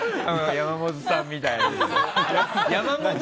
山本さんみたいにさ。